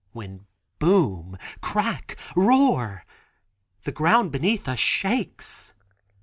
When boom, crack, roar, the ground beneath us shakes.